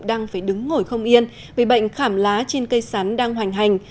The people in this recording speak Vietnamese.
đang phải đứng ngồi không yên vì bệnh khảm lá trên cây sắn đang hoành hành